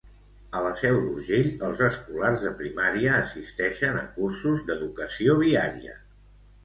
A la Seu d'Urgell, els escolars de primària assisteixen a cursos d'educació viària.